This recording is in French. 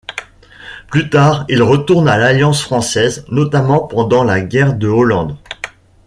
Plus tard, il retourne à l'alliance française, notamment pendant la Guerre de Hollande.